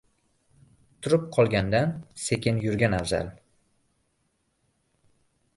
• Turib qolgandan sekin yurgan afzal.